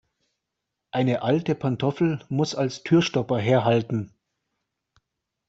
Eine alte Pantoffel muss als Türstopper herhalten.